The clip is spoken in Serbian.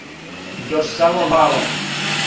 Још само мало!